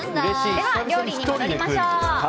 では料理に戻りましょう。